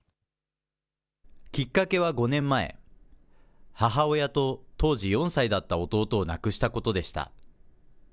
きっかけは５年前、母親と、当時４歳だった弟を亡くしたことでした。